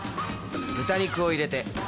豚肉をいれて